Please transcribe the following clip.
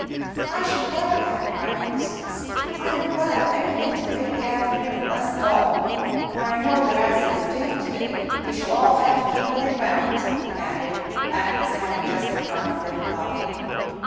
"I should like that!" cried Lucius; "I am glad of anything to make the afternoon less dull; for I know that as it is damp to day we shall all have to keep within bounds," he added, Agnes having just begun a fit of coughing.